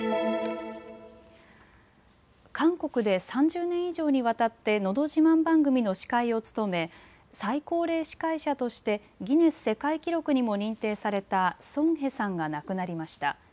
韓国で３０年以上にわたってのど自慢番組の司会を務め最高齢司会者としてギネス世界記録にも認定されたソン・ヘさんが亡くなりました。